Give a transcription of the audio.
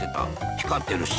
光ってるし。